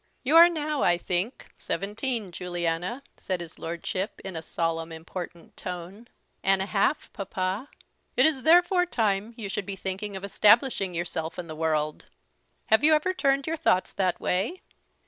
"You are now, I think, seventeen, Juliana," said his Lordship in a solemn important tone. "And a half, papa." "It is therefore time you should be thinking of establishing yourself in the world. Have you ever turned your thoughts that way?"